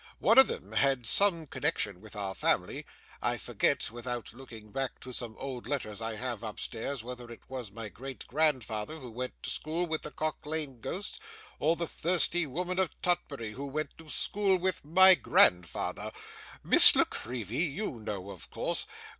One of them had some connection with our family. I forget, without looking back to some old letters I have upstairs, whether it was my great grandfather who went to school with the Cock lane Ghost, or the Thirsty Woman of Tutbury who went to school with my grandmother. Miss La Creevy, you know, of course.